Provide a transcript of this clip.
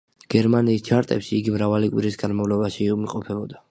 გერმანიის ჩარტებში იგი მრავალი კვირის განმავლობაში იმყოფებოდა.